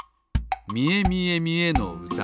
「みえみえみえの歌」